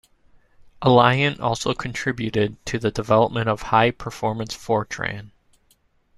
Alliant also contributed to the development of High Performance Fortran.